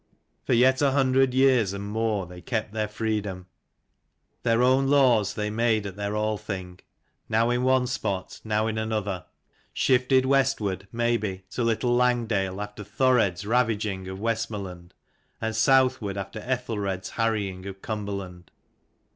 For yet a hundred years and more 303 they kept their freedom. Their own laws they made at their Althing, now in one spot, now in another: shifted westward, maybe, to Little Langdale after Thored's ravaging of Westmorland, and southward after Ethelred's harrying of Cumberland.